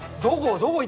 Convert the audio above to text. どこ？